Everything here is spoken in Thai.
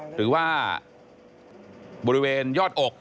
หรือว่าบริเวณยอดอก